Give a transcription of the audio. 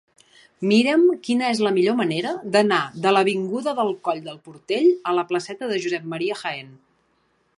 Mira'm quina és la millor manera d'anar de l'avinguda del Coll del Portell a la placeta de Josep Ma. Jaén.